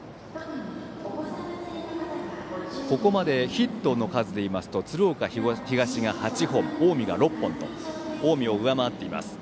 ここまでヒットの数でいいますと鶴岡東が８本、近江が６本と近江を上回っています。